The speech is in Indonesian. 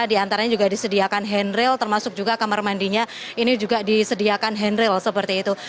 di antaranya juga disediakan handral termasuk juga kamar mandinya ini juga disediakan handrail seperti itu